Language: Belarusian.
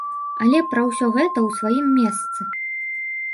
Але пра ўсё гэта ў сваім месцы.